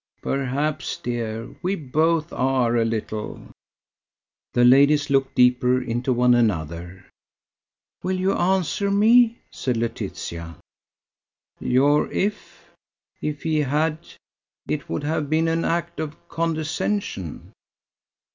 "Perhaps, dear, we both are, a little." The ladies looked deeper into one another. "Will you answer me?" said Laetitia. "Your if? If he had, it would have been an act of condescension."